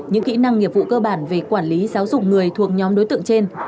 những kỹ năng nghiệp vụ cơ bản về quản lý giáo dục người thuộc nhóm đối tượng trên